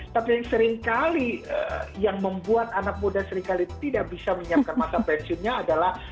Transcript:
tapi yang seringkali yang membuat anak muda seringkali tidak bisa menyiapkan masa pensiunnya adalah